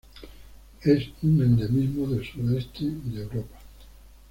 Es un endemismo del sudoeste de Europa.